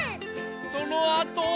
そのあとは。